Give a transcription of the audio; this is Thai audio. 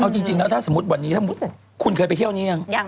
เอาจริงแล้วถ้าสมมุติวันนี้ถ้าสมมุติคุณเคยไปเที่ยวอย่างนี้หรือยัง